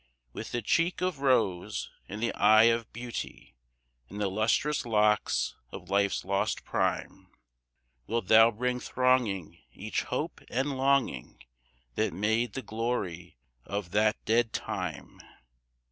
With the cheek of rose and the eye of beauty, And the lustrous locks of life's lost prime, Wilt thou bring thronging each hope and longing That made the glory of that dead Time?